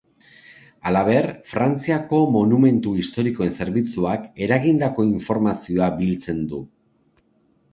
Halaber, Frantziako monumentu historikoen zerbitzuak eragindako informazioa biltzen du.